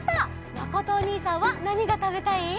まことおにいさんはなにがたべたい？